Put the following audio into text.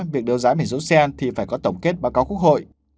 việc đấu giá biển số xe thì phải có tổng kết và có quốc hội